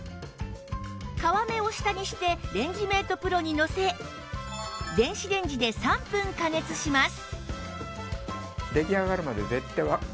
皮目を下にしてレンジメート ＰＲＯ にのせ電子レンジで３分加熱します